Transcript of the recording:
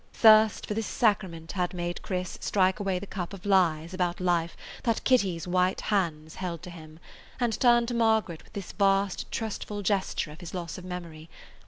Thirst for this sacrament had made Chris strike away the cup of lies about life that Kitty's white hands held to him and turn to Margaret with this vast trustful gesture of his loss of memory.